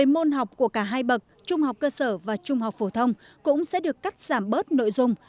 một mươi môn học của cả hai bậc trung học cơ sở và trung học phổ thông cũng sẽ được cắt giảm bớt nội dung